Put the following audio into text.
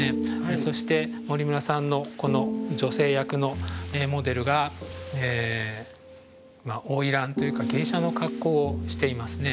そして森村さんのこの女性役のモデルが花魁というか芸者の格好をしていますね。